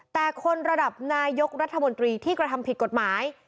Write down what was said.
แต่คนระดับนายกรัฐมนตรีที่กระทำผิดกฎหมาย